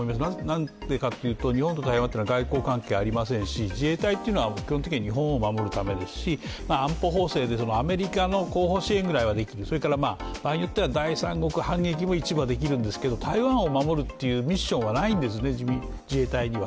なんでかというと、日本と台湾というのは外交関係がありませんし自衛隊というのは基本的には日本を守るためですし安保法制で、アメリカの後方支援ぐらいはできるそれから場合によっては第三国反撃も一部できるんですが、台湾を守るというミッションはないんですね、自衛隊には。